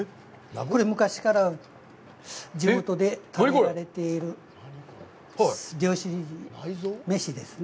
これ、昔から地元で食べられている漁師飯ですね。